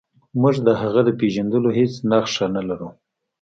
موږ د هغه د پیژندلو هیڅ نښه نلرو.